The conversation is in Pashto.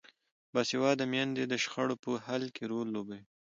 باسواده میندې د شخړو په حل کې رول لوبوي.